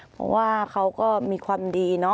เพราะว่าเขาก็มีความดีเนาะ